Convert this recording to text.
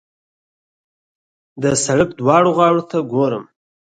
د سړک دواړو غاړو ته ګورم.